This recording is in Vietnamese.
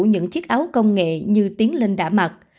những chiếc áo công nghệ như tiến linh đã mặc